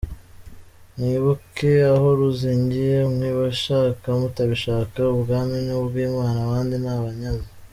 Mwibuke aho ruzingiye, mwabishaka mutabishaka, ubwami ni ubw’Imana abandi ni abanyazi.